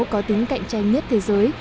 có tính cạnh tranh nhất thế giới